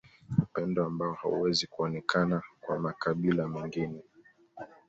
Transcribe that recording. Upendo ambao hauwezi kuonekana kwa makabila mengine